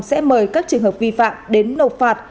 sẽ mời các trường hợp vi phạm đến nộp phạt